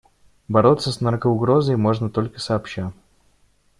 Бороться с наркоугрозой можно только сообща.